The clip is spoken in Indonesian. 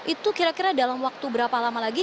itu kira kira dalam waktu berapa lama lagi